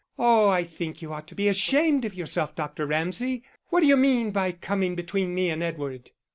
Oh, I think you ought to be ashamed of yourself, Dr. Ramsay. What d'you mean by coming between me and Edward?"